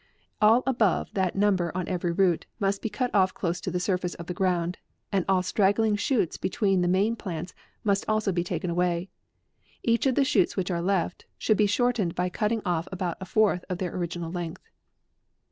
All * above that number on every root, must be ' cut offclose to the surface of the ground, and all straggling shoots between the main plants must also be taken away. Each of the shoots which are left, should be shortened by cutting offabout a fourth of their original length."